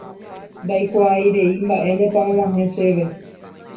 ndaikuaairei mba'énepa og̃uahẽ chéve